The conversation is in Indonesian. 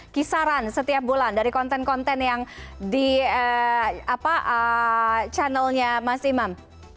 kisaran setiap bulan dari konten konten yang di channelnya mas imam